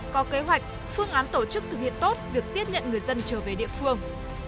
có kế hoạch phương án tổ chức thực hiện tốt việc tiếp nhận người dân trở về địa phương